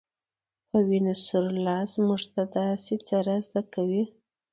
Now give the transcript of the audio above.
په وينو سور لاس موږ ته داسې څه را زده کوي